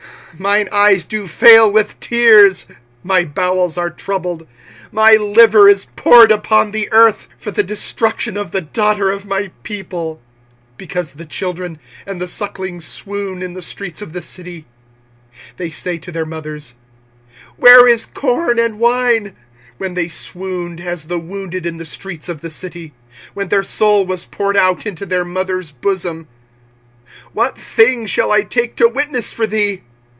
25:002:011 Mine eyes do fail with tears, my bowels are troubled, my liver is poured upon the earth, for the destruction of the daughter of my people; because the children and the sucklings swoon in the streets of the city. 25:002:012 They say to their mothers, Where is corn and wine? when they swooned as the wounded in the streets of the city, when their soul was poured out into their mothers' bosom. 25:002:013 What thing shall I take to witness for thee?